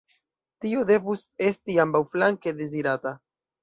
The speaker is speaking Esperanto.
Tio devus esti ambaŭflanke dezirata.